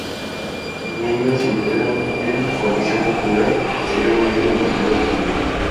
Sus miembros se integraron en Coalición Popular, y posteriormente, en el Partido Popular.